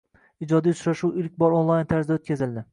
Ijodiy uchrashuv ilk bor onlayn tarzda oʻtkazildi